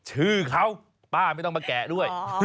ชื่อเขาป้าไม่ต้องมาแกะด้วย